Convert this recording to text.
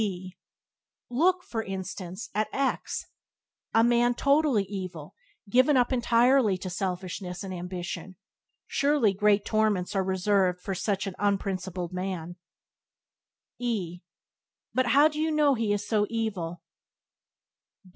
D Look, for instance, at X , a man totally evil, given up entirely to selfishness and ambition; surely great torments are reserved for so unprincipled a man. E But how do you know he is so evil.